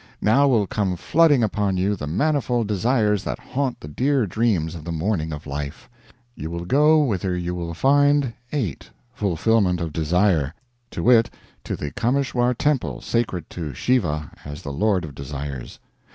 Now will come flooding upon you the manifold desires that haunt the dear dreams of the morning of life. You will go whither you will find 8. Fulfillment of Desire. To wit, to the Kameshwar Temple, sacred to Shiva as the Lord of Desires.